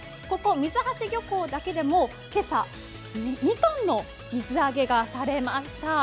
ここ水橋漁港だけでも今朝、２ｔの水揚げがされました。